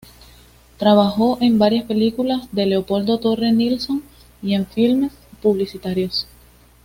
Trabajó en varias películas de Leopoldo Torre Nilsson y en filmes publicitarios.